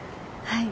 はい。